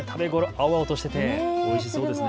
青々としていておいしそうですね。